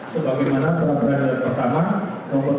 sebagaimana pra peradilan pertama nomor sembilan puluh tujuh